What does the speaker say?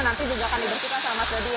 nanti juga akan dibersihkan sama tadi ya